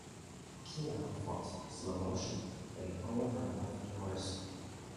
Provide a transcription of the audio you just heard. Akina performs "Slow Motion" in all of her live tours.